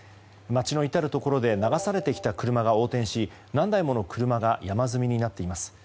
街の至るところで流されてきた車が横転し何台もの車が山積みになっています。